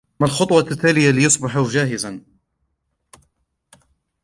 ما هي الخطوة التالية ليصبح جاهز ؟